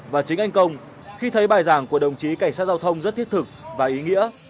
và chính anh công khi thấy bài giảng của đồng chí cảnh sát giao thông rất thiết thực và ý nghĩa